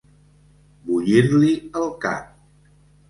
Bullir-li el cap.